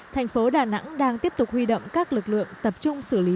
thành phố đà nẵng đang tiếp tục huy động các lực lượng tập trung xử lý